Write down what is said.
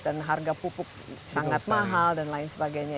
dan harga pupuk sangat mahal dan lain sebagainya